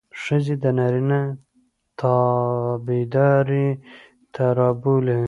ښځې د نارينه تابعدارۍ ته رابولي.